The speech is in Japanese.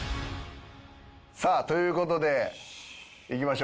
さあという事でいきましょうか。